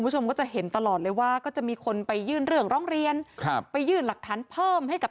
คุณผู้ชมก็จะเห็นตลอดเลยว่าก็จะมีคนไปยื่นเรื่องร้องเรียนครับไปยื่นหลักฐานเพิ่มให้กับ